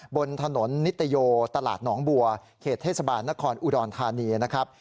บนถนนนิตโยตลาดหนองบัวเขตเทศบาลนครอุดรธานีนะครับ